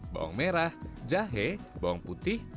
bawang merah jahe bawang putih